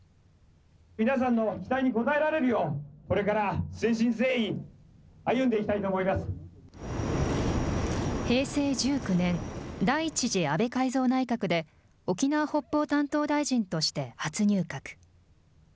皆さんの期待に応えられるよう、これから誠心誠意、歩んでい平成１９年、第１次安倍改造内閣で、沖縄・北方担当大臣として、初入閣。